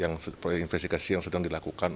yang investigasi yang sedang dilakukan